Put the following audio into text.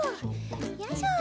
よいしょ。